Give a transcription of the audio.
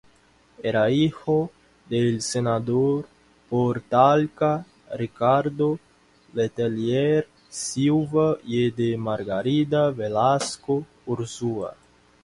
Era hijo del senador por Talca Ricardo Letelier Silva y de Margarita Velasco Urzúa.